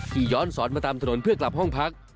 ย้อนสอนมาตามถนนเพื่อกลับห้องพัก